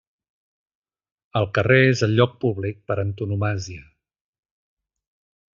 El carrer és el lloc públic per antonomàsia.